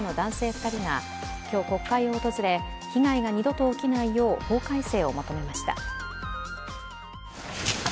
２人が今日、国会を訪れ、被害が二度と起きないよう法改正を求めました。